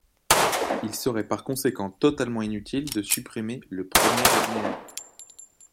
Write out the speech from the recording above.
Il serait par conséquent totalement inutile de supprimer le premier alinéa.